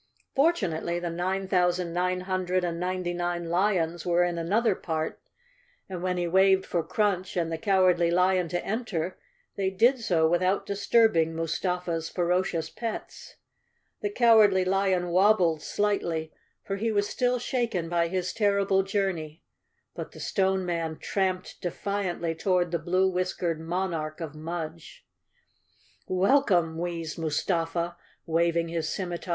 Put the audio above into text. Fortunately the nine thousand nine hun¬ dred and ninety nine lions were in another part, and when he waved for Crunch and the Cowardly Lion to en¬ ter, they did so without disturbing Mustafa's ferocious pets. The Cowardly Lion wobbled slightly, for he was still shaken by his terrible journey, but the Stone Man tramped defiantly toward the blue whiskered monarch of Mudge. "Welcome!" wheezed Mustafa, waving his scimitar.